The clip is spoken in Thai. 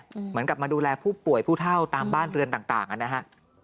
เหมือนกับมาดูแลผู้ป่วยผู้เท่าตามบ้านเรือนต่างนะฮะ